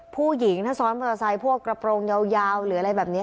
ผู้หญิงถ้าซ้อนมอเตอร์ไซค์พวกกระโปรงยาวหรืออะไรแบบนี้